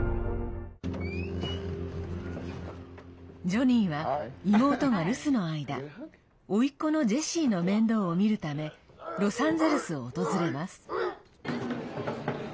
ジョニーは、妹が留守の間おいっ子のジェシーの面倒を見るためロサンゼルスを訪れます。